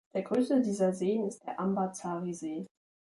Der größte dieser Seen ist der Ambazari-See.